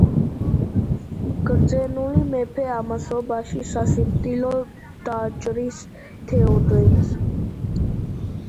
გრძნეული მეფე ამასობაში სასიკვდილოდ დაჭრის თეოდენს.